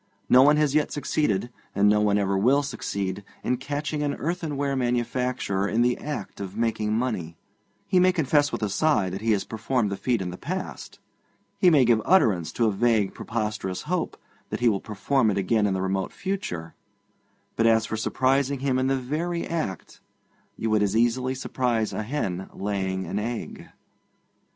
No one has yet succeeded, and no one ever will succeed, in catching an earthenware manufacturer in the act of making money; he may confess with a sigh that he has performed the feat in the past, he may give utterance to a vague, preposterous hope that he will perform it again in the remote future, but as for surprising him in the very act, you would as easily surprise a hen laying an egg.